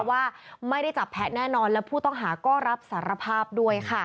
ว่าไม่ได้จับแพ้แน่นอนและผู้ต้องหาก็รับสารภาพด้วยค่ะ